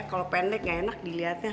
kalo pendek ga enak diliatnya